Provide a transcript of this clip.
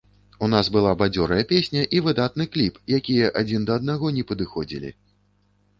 У нас была бадзёрая песня і выдатны кліп, якія адзін да аднаго не падыходзілі.